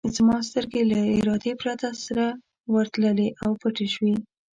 زما سترګې له ارادې پرته سره ورتللې او پټې شوې.